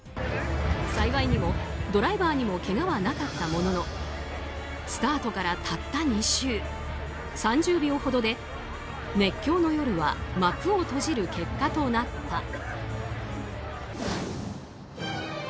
幸いにもドライバーにもけがはなかったもののスタートからたった２周３０秒ほどで熱狂の夜は幕を閉じる結果となった。